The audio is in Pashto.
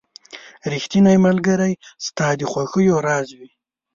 • ریښتینی ملګری ستا د خوښیو راز وي.